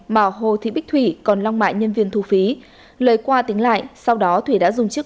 mà hồ thị bích thủy còn long mại nhân viên thu phí lời qua tính lại sau đó thủy đã dùng chiếc